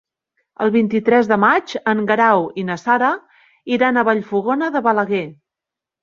El vint-i-tres de maig en Guerau i na Sara iran a Vallfogona de Balaguer.